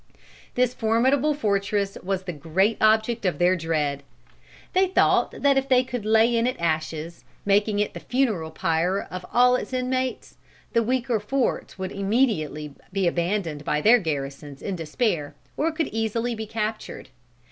This formidable fortress was the great object of their dread. They thought that if they could lay it in ashes, making it the funeral pyre of all its inmates, the weaker forts would be immediately abandoned by their garrisons in despair, or could easily be captured.